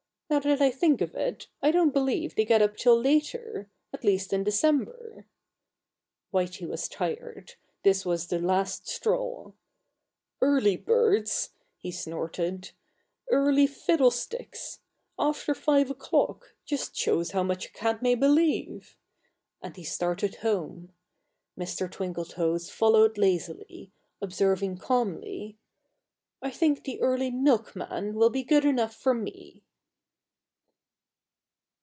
Now that I think of it, I don't believe they get up till later at least in December." Whitey was tired this was the "last straw." "Early birds!" he snorted, "early fiddlesticks! after five o'clock just shows how much a cat may believe!" And he started home. Mr. Twinkletoes followed lazily, observing calmly, "I think the early milkman will be good enough for me!"